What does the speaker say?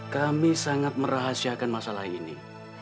kami sangat merahasiakan masalah ini